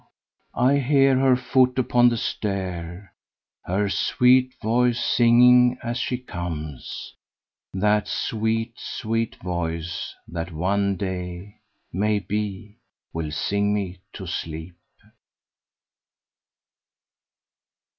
I hear her foot upon the stair, her sweet voice singing as she comes that sweet sweet voice that one day, maybe, will sing me to sleep.